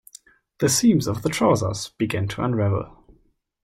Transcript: The seams of the trousers began to unravel.